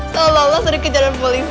seolah olah sering kejaran polisi